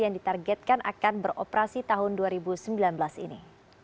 yang ditargetkan akan beroperasi tahun dua ribu sembilan belas ini